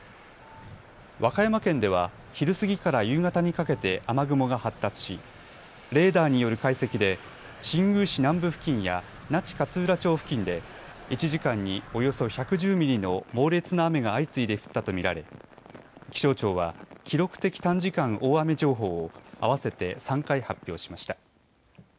和歌山県では昼過ぎから夕方にかけて雨雲が発達しレーダーによる解析で新宮市南部付近や那智勝浦町付近で１時間におよそ１１０ミリの猛烈な雨が相次いで降ったとみられ気象庁は記録的短時間大雨情報を合わせて３回発表しました。